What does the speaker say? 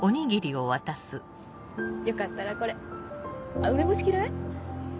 よかったらこれあっ梅干し嫌い？